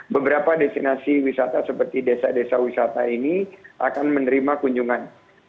beberapa destinasi wisata seperti desa desa wisata ini akan menerima kunjungan